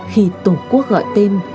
khi tổ quốc gọi tên